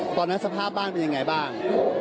ตอนนั้นสภาพบ้านเป็นอย่างไรบ้าง